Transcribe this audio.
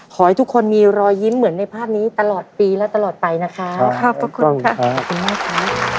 ขอให้ทุกคนมีรอยยิ้มเหมือนในภาพนี้ตลอดปีและตลอดไปนะครับขอบคุณค่ะขอบคุณมากค่ะ